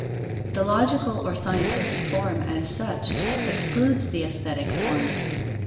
The logical or scientific form, as such, excludes the aesthetic form.